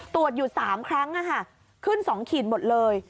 ตรวจอยู่๓ครั้งขึ้น๒ขีดหมดเลย